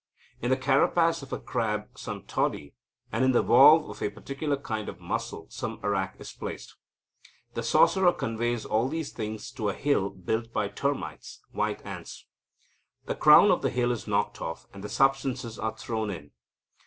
In the carapace of a crab some toddy, and in the valve of a particular kind of mussel, some arrack is placed. The sorcerer conveys all these things to a hill built by termites (white ants). The crown of the hill is knocked off, and the substances are thrown in.